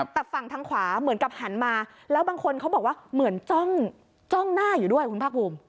แต่ฝั่งทางขวาเหมือนกับหันมาแล้วบางคนเขาบอกว่าเหมือนจ้องหน้าอยู่ด้วยคุณภาคภูมิ